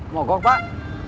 mau gok pak